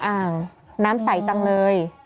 อ่างน้ำใสจังเลย